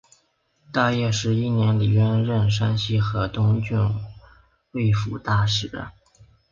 大业十一年李渊任山西河东郡慰抚大使。